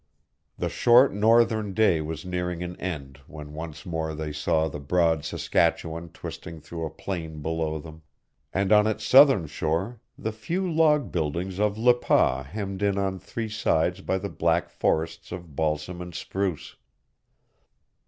The short northern day was nearing an end when once more they saw the broad Saskatchewan twisting through a plain below them, and on its southern shore the few log buildings of Le Pas hemmed in on three sides by the black forests of balsam and spruce.